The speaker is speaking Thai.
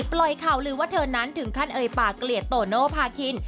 ปล่อยข่าวลือว่าเธอนั้นถึงขั้นเอ่ยปากเกลียดโตโนภาคิน